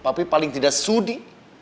papi paling tidak sudi